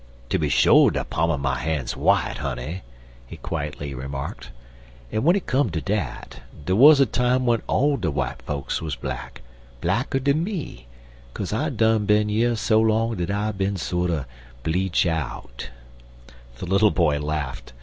"Tooby sho de pa'm er my han's w'ite, honey," he quietly remarked, "en, w'en it come ter dat, dey wuz a time w'en all de w'ite folks 'uz black blacker dan me, kaze I done bin yer so long dat I bin sorter bleach out." The little boy laughed.